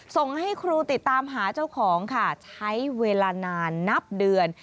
ส่งให้ครูติดตามหาเจ้าของค่ะใช้เวลานานนับเดือน